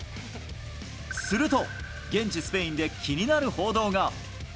すると、現地スペインで気になる報道が。